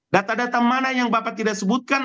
data data mana yang bapak tidak sebutkan